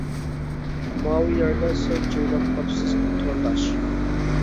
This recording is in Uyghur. -ماۋۇ يەردە سەل جۆيلۈپ قاپسىز تورداش!